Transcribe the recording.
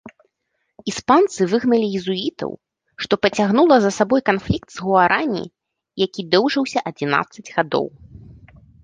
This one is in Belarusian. Іспанцы выгналі езуітаў, што пацягнула за сабой канфлікт з гуарані, які доўжыўся адзінаццаць гадоў.